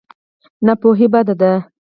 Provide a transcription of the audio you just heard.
ناپوهي بده ده.